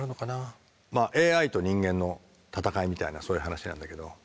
ＡＩと人間の戦いみたいなそういう話なんだけど。